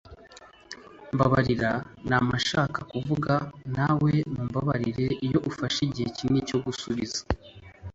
mbabarira nama nshaka kuvugana nawe mumbabarire iyo ufashe igihe kinini cyo gusubiza